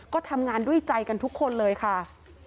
ก็ทำงานด้วยใจกันทุกคนเลยค่ะ